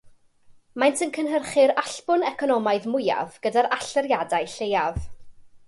Maent yn cynhyrchu'r allbwn economaidd mwyaf gyda'r allyriadau lleiaf.